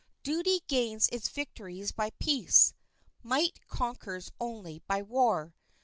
Duty gains its victories by peace; might conquers only by war.